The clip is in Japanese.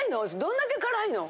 どんだけ辛いの？